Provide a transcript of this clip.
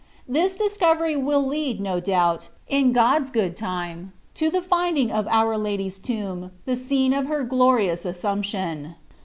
This dis covery will lead, no doubt, in God s good time, to the finding of our Lady s Tomb, the scene of her glorious Assumption.